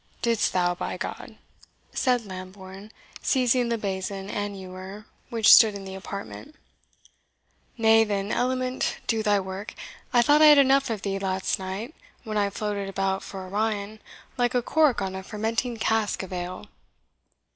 "Didst thou, by G !" said Lambourne, seizing on the basin and ewer which stood in the apartment. "Nay, then, element, do thy work. I thought I had enough of thee last night, when I floated about for Orion, like a cork on a fermenting cask of ale."